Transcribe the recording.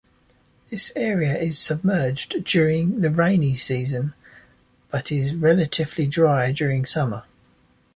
This area is submerged during the rainy season but is relatively dry during summer.